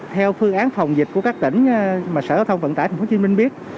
theo phương án phòng dịch của các tỉnh mà sở giao thông vận tải tp hcm biết